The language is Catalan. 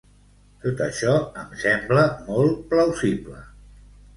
Tot això em sembla molt plausible.